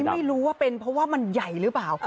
ไม่รู้ว่าเป็นเพราะว่ามันใหญ่หรือเปล่า